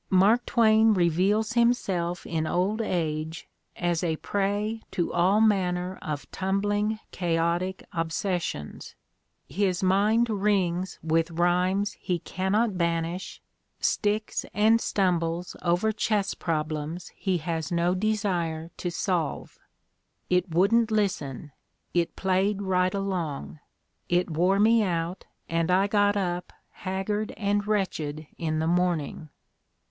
Mark Twain reveals himself in old age as a prey to all manner of tumbling, chaotic obsessions; his mind rings with rhymes he cannot ban ish, sticks and stumbles over chess problems he has no desire to solve: "it wouldn't listen; it played right along. It wore me out and I got up haggard and wretched in the morning."